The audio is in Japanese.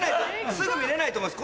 すぐ見れないと思います